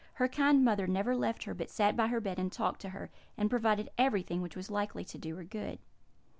Her kind mother never left her, but sat by her bed and talked to her, and provided everything which was likely to do her good.